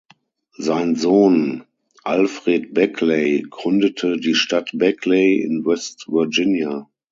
Sein Sohn Alfred Beckley gründete die Stadt Beckley in West Virginia.